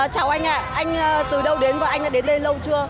chào anh ạ anh từ đâu đến và anh đã đến đây lâu chưa